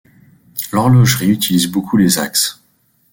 L'horlogerie utilise beaucoup les axes.